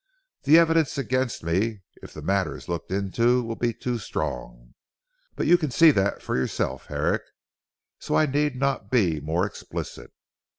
The evidence against me, if the matter is looked into, will be too strong. But you can see that for yourself Herrick, so I need not be more explicit.